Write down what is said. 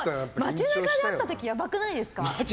街中で会った時やばくないですか？